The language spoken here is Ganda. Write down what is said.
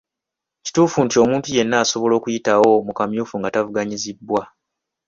Kituufu nti omuntu yenna asobola okuyitawo mu kamyufu nga tavuganyiziddwa